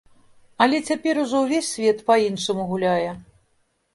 Але цяпер ужо ўвесь свет па-іншаму гуляе.